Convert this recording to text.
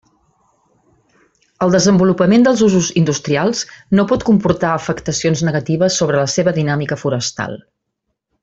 El desenvolupament dels usos industrials no pot comportar afectacions negatives sobre la seva dinàmica forestal.